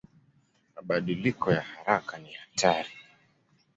Mabadiliko ya haraka ni hatari.